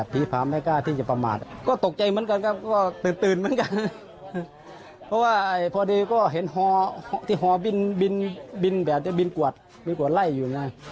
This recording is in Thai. เพราะว่าพอดีก็เห็นฮอที่ฮอบินแบบบินกวดไล่อยู่นะ